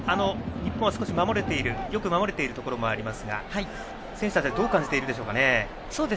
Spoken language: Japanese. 日本はよく守れているところもありますが選手たちはどう感じているでしょうかね。